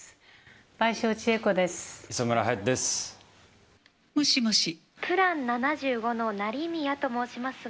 倍賞千恵子です。